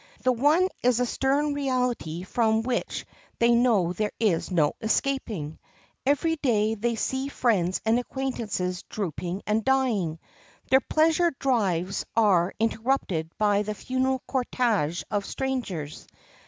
The one is a stern reality from which they know there is no escaping. Every day they see friends and acquaintances drooping and dying. Their pleasure drives are interrupted by the funeral cortege of strangers.